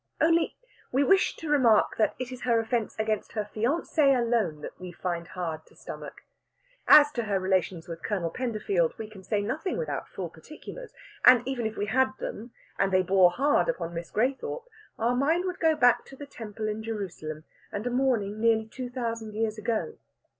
Only, we wish to remark that it is her offence against her fiancé alone that we find it hard to stomach. As to her relations with Colonel Penderfield, we can say nothing without full particulars. And even if we had them, and they bore hard upon Miss Graythorpe, our mind would go back to the Temple in Jerusalem, and a morning nearly two thousand years ago.